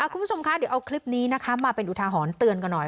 คุณผู้ชมคะเดี๋ยวเอาคลิปนี้นะคะมาเป็นอุทาหรณ์เตือนกันหน่อย